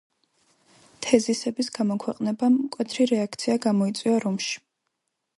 თეზისების გამოქვეყნებამ მკვეთრი რეაქცია გამოიწვია რომში.